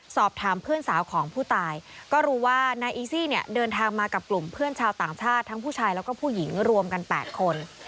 สอบถามเพื่อนสาวของผู้ตายก็รู้ว่านายอีซี่เนี่ยเดินทางมากับกลุ่มเพื่อนชาวต่างชาติทั้งผู้ชายแล้วก็ผู้หญิงรวมกัน๘คน